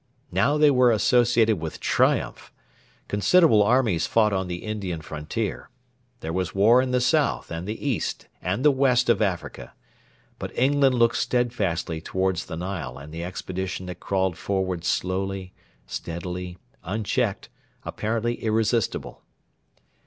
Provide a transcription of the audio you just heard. Now they were associated with triumph. Considerable armies fought on the Indian Frontier. There was war in the South and the East and the West of Africa. But England looked steadfastly towards the Nile and the expedition that crawled forward slowly, steadily, unchecked, apparently irresistible.